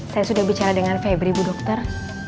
saya sudah bicara dengan febri ibu dokter